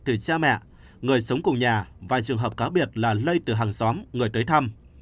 từ cha mẹ người sống cùng nhà và trường hợp cá biệt là lây từ hàng xóm người tới thăm